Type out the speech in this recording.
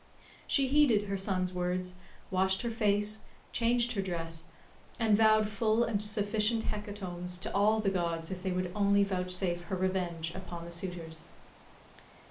She heeded her son's words, washed her face, changed her dress, and vowed full and sufficient hecatombs to all the gods if they would only vouchsafe her revenge upon the suitors.